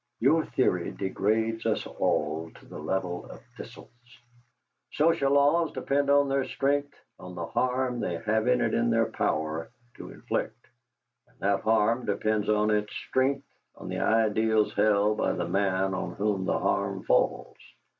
"Your theory degrades us all to the level of thistles." "Social laws depend for their strength on the harm they have it in their power to inflict, and that harm depends for its strength on the ideals held by the man on whom the harm falls.